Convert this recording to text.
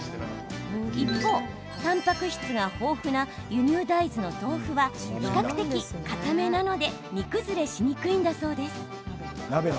一方、たんぱく質が豊富な輸入大豆の豆腐は比較的かためなので煮崩れしにくいんだそうです。